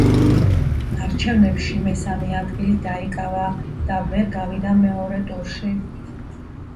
არჩევნებში მესამე ადგილი დაიკავა და ვერ გავიდა მეორე ტურში.